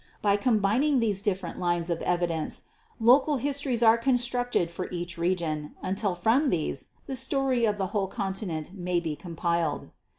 By combining these different lines of evidence, local his tories are constructed for each region, until from these the story of the whole continent may be compiled.